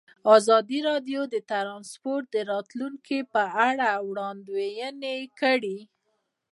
ازادي راډیو د ترانسپورټ د راتلونکې په اړه وړاندوینې کړې.